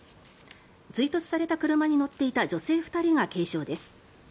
追突された車に乗っていた女性２人が軽傷です。